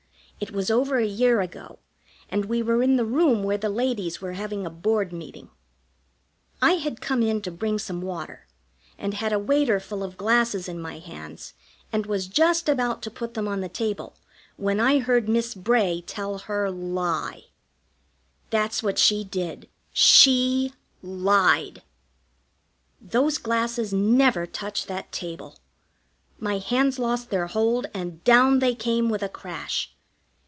It was over a year ago, and we were in the room where the ladies were having a Board meeting. I had come in to bring some water, and had a waiter full of glasses in my hands, and was just about to put them on the table when I heard Miss Bray tell her Lie. That's what she did. She Lied! Those glasses never touched that table. My hands lost their hold, and down they came with a crash.